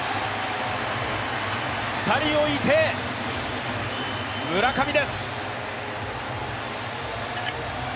２人置いて村上です。